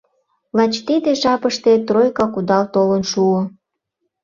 Лач тиде жапыште тройка кудал толын шуо.